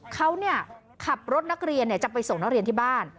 เขาขับรถนักเรียนจะไปส่งนักเรียนที่บ้าน